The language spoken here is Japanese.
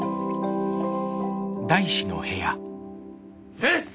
えっ！